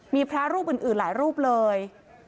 มีพระรูปอื่นหลายรูปเลย